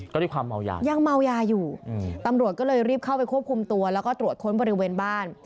ก็ด้วยความเมายายังเมายาอยู่ตำรวจก็เลยรีบเข้าไปควบคุมตัวแล้วก็ตรวจค้นบริเวณบ้าน